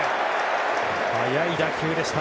速い打球でした。